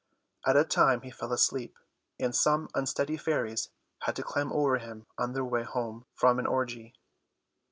After a time he fell asleep, and some unsteady fairies had to climb over him on their way home from an orgy.